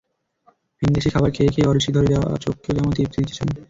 ভিনদেশি খাবার খেয়ে খেয়ে অরুচি ধরে যাওয়া চোখকেও যেন তৃপ্তি দিতে চান।